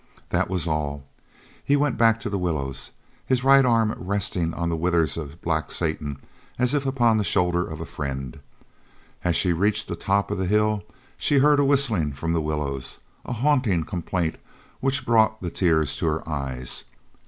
That was all. He went back to the willows, his right arm resting on the withers of Black Satan as if upon the shoulder of a friend. As she reached the top of the hill she heard a whistling from the willows, a haunting complaint which brought the tears to her eyes.